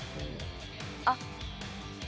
あっ。